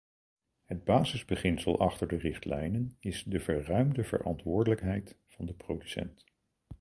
Het basisbeginsel achter de richtlijnen is de verruimde verantwoordelijkheid van de producent.